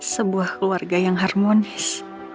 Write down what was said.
sebuah keluarga yang harmonis